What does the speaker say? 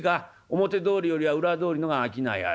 表通りよりは裏通りの方が商いある。